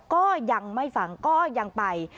ก็ยังไม่ฟังก็ยังไป